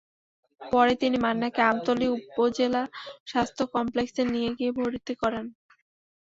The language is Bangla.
পরে তিনি মান্নাকে আমতলী উপজেলা স্বাস্থ্য কমপ্লেক্সে নিয়ে গিয়ে ভর্তি করেন।